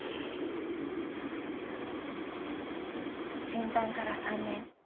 診断から３年。